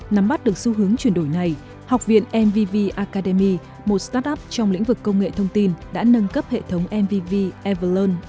nắm bắt được xu hướng chuyển đổi này học viện mvv academy một startup trong lĩnh vực công nghệ thông tin đã nâng cấp hệ thống mvv evalon bốn